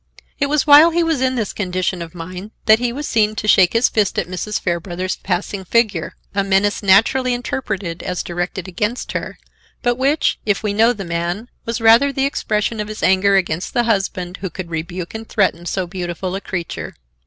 It was while he was in this condition of mind that he was seen to shake his fist at Mrs. Fairbrother's passing figure; a menace naturally interpreted as directed against her, but which, if we know the man, was rather the expression of his anger against the husband who could rebuke and threaten so beautiful a creature.